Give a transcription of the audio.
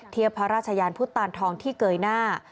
พระราชยานพุทธตานทองที่เกยหน้า